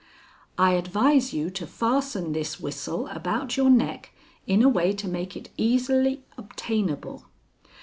"I advise you to fasten this whistle about your neck in a way to make it easily obtainable.